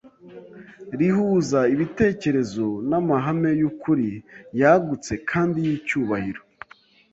Rihuza ibitekerezo n’amahame y’ukuri yagutse kandi y’icyubahiro.